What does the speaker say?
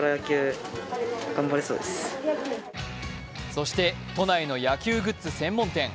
そして都内の野球グッズ専門店。